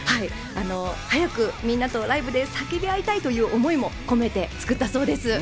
早くみんなとライブで叫びあいたいという思いも込めて作ったそうです。